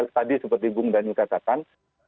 tadi seperti bung daniel kata kan